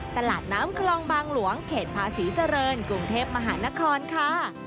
ตลาดน้ำคลองบางหลวงเขตภาษีเจริญกรุงเทพมหานครค่ะ